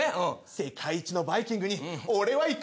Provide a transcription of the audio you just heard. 世界一のバイキングに俺は行く！